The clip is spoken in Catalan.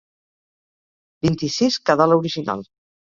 Vint-i-sis quedà l'original.